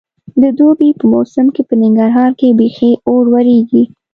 د دوبي په موسم کې په ننګرهار کې بیخي اور ورېږي.